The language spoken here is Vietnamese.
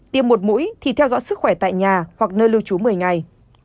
tiêm một mũi thì theo dõi sức khỏe tại nhà hoặc nơi lưu trú một mươi ngày